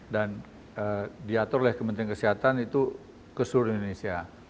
dan diatur oleh kementerian kesehatan itu ke seluruh indonesia